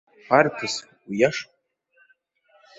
Арԥыс, уиашоуп.